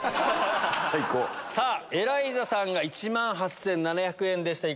エライザさんが１万８７００円でした。